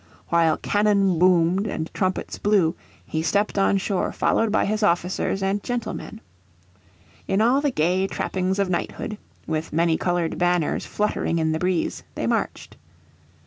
While cannon boomed and trumpets blew he stepped on shore followed by his officers and gentlemen. In all the gay trappings of knighthood, with many coloured banners fluttering in the breeze, they marched.